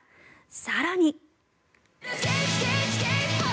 更に。